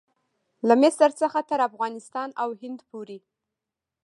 له مصر څخه تر افغانستان او هند پورې.